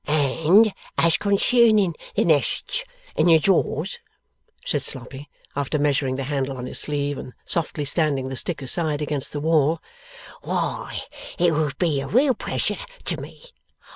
'And as concerning the nests and the drawers,' said Sloppy, after measuring the handle on his sleeve, and softly standing the stick aside against the wall, 'why, it would be a real pleasure to me.